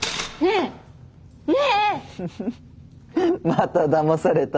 まただまされた。